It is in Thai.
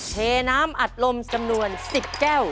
เทน้ำอัดลมจำนวน๑๐แก้ว